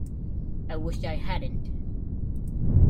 I wish I hadn't!